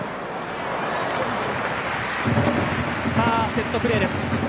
セットプレーです。